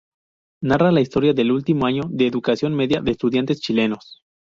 Narra la historia del último año de educación media de estudiantes chilenos.